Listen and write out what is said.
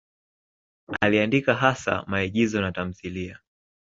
Aliandika hasa maigizo na tamthiliya.